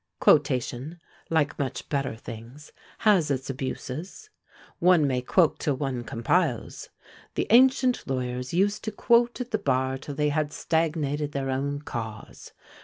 Quotation, like much better things, has its abuses. One may quote till one compiles. The ancient lawyers used to quote at the bar till they had stagnated their own cause.